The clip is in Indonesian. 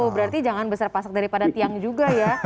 berarti jangan besar pasak daripada tiang juga ya